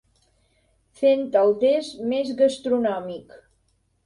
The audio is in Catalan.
Fent el test més gastronòmic.